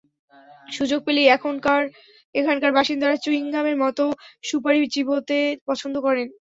সুযোগ পেলেই এখানকার বাসিন্দারা চুইং গামের মতো সুপারি চিবোতে পছন্দ করেন।